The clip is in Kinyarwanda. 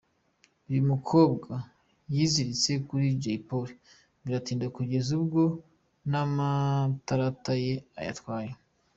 Uyu mukobwa yiziritse kuri Jay Polly biratinda kugeza ubwo n'amatarata ye ayatwaye.